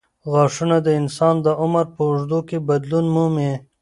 غاښونه د انسان د عمر په اوږدو کې بدلون مومي.